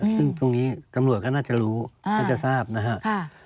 ซึ่งตรงนี้ตำรวจก็น่าจะรู้น่าจะทราบนะครับ